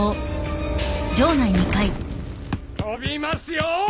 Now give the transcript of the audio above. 飛びますよ！